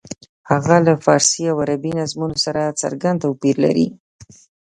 هغه له فارسي او عربي نظمونو سره څرګند توپیر لري.